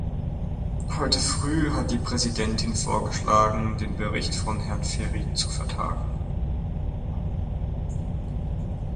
Heute früh hat die Präsidentin vorgeschlagen, den Bericht von Herrn Ferri zu vertagen.